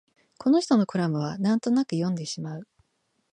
この人のコラムはなんとなく読んでしまう